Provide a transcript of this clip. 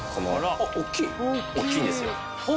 大きいんですよ。